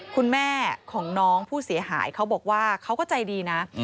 คุณแม่ของน้องผู้เสียหายเขาบอกว่าเขาก็ใจดีนะ